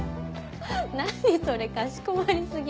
何それかしこまり過ぎ。